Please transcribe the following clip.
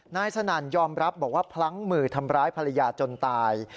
นายสนั่นยอมรับบอกว่าพลั้งมือทำร้ายภรรยาจนตาย